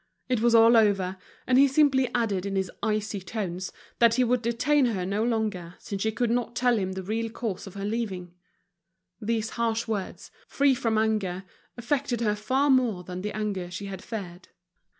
It was all over, and he simply added in his icy tones, that he would detain her no longer, since she could not tell him the real cause of her leaving. These harsh words, free from anger, affected her far more than the anger she had feared.